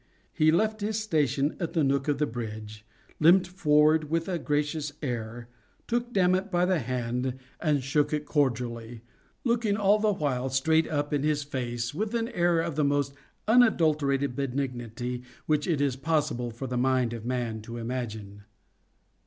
He left his station at the nook of the bridge, limped forward with a gracious air, took Dammit by the hand and shook it cordially, looking all the while straight up in his face with an air of the most unadulterated benignity which it is possible for the mind of man to imagine.